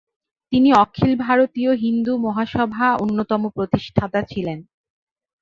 তিনি অখিল ভারতীয় হিন্দু মহাসভা অন্যতম প্রতিষ্ঠাতা ছিলেন।